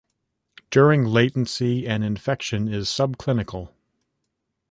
During latency, an infection is subclinical.